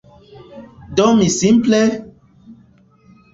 Do mi simple…